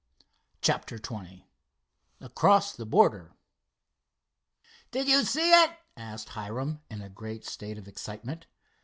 CHAPTER XX ACROSS THE BORDER "Did you see it?" asked Hiram, in a great state of excitement.